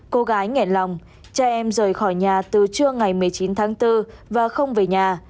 cô gái nghẹn lòng tra em rời khỏi nhà từ trưa ngày một mươi chín tháng bốn và không về nhà